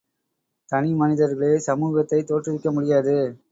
தனி மனிதர்களே சமூகத்தைத் தோற்றுவிக்க முடியாது.